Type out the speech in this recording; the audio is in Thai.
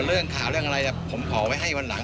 ได้ข่าวบ้างไม่ได้ข่าวบ้าง